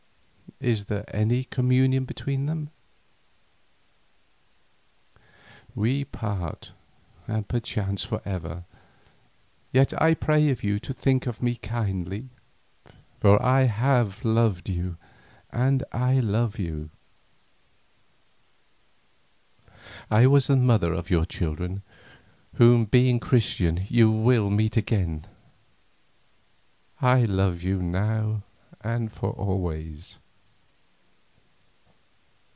Is there any communion between them? We part, and perchance for ever, yet I pray of you to think of me kindly, for I have loved you and I love you; I was the mother of your children, whom being Christian, you will meet again. I love you now and for always.